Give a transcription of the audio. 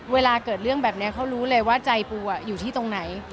เวลาเกิดเรื่องแบบนี้เขารู้เลยว่าใจปูอยู่ที่ตรงไหน